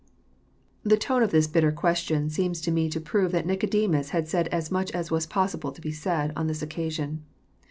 " The tone of this bitter question seems to me to prove that Kicodemus had said as much as was possible to be said, on this occasion.